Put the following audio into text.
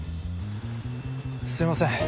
すいません。